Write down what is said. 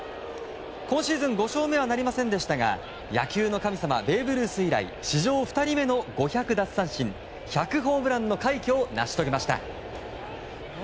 今シーズン５勝目はなりませんでしたが野球の神様ベーブ・ルース以来史上２人目の５００奪三振１００ホームランの快挙を成し遂げました。